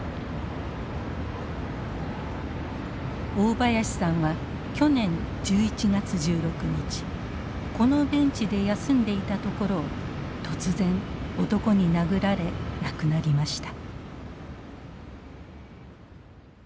大林さんは去年１１月１６日このベンチで休んでいたところを突然男に殴られ亡くなりました。